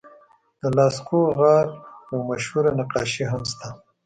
د لاسکو غار یوه مشهور نقاشي هم شته.